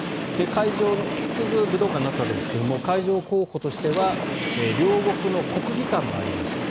会場は結局武道館になったわけですが会場候補としては両国の国技館もありました。